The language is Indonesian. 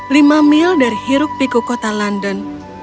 lima mil dari hiruk piku kota london